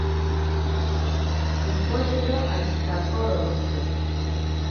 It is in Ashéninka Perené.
Piposhero ashitakorontsi.